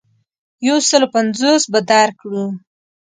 یو سلو پنځوس به درکړو.